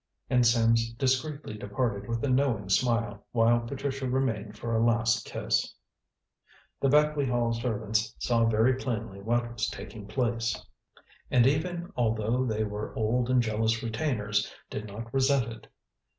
And Sims discreetly departed with a knowing smile, while Patricia remained for a last kiss. The Beckleigh Hall servants saw very plainly what was taking place, and even although they were old and jealous retainers, did not resent it.